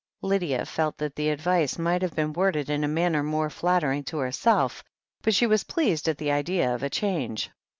Lydia felt that the advice might have been worded in a manner more flattering to herself, but she was pleased at the idea of a change.